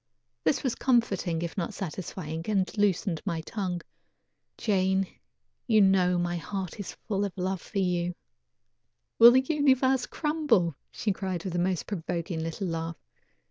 This was comforting, if not satisfying, and loosened my tongue: "Jane, you know my heart is full of love for you " "Will the universe crumble?" she cried with the most provoking little laugh.